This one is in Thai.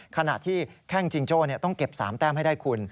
ขณะที่แข้งจิงโจ้ต้องเก็บ๓แต้มให้ได้คุณ